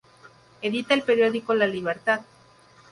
Edita el periódico La Libertad.